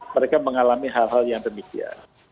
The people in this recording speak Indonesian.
mereka mengalami hal hal yang demikian